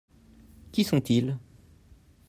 Qui sont-ils ?